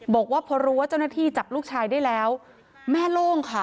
บอกว่าพอรู้ว่าเจ้าหน้าที่จับลูกชายได้แล้วแม่โล่งค่ะ